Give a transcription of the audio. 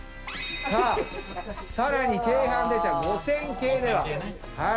さあ更に京阪電車５０００系では。